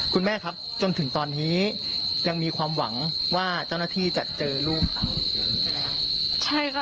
คุณแม่ครับจนถึงตอนนี้ยังมีความหวังว่าเจ้าหน้าที่จะเจอลูกเขา